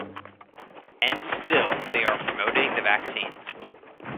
And still they are promoting the vaccines.